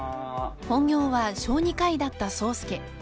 ［本業は小児科医だった宗佑］